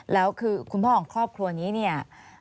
แล้วคือคุณพ่อของครอบครัวนี้เนี่ย